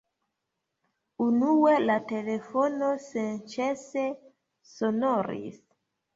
Unue la telefono senĉese sonoris.